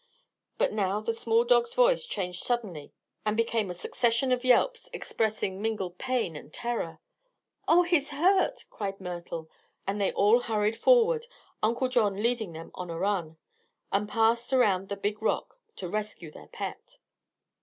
But now the small dog's voice changed suddenly and became a succession of yelps expressing mingled pain and terror. "Oh, he's hurt!" cried Myrtle; and they all hurried forward, Uncle John leading them on a run, and passed around the big rock to rescue their pet.